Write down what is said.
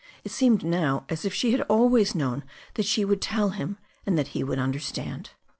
It seemed now as if she had always known that she would tell him, and that he would understand.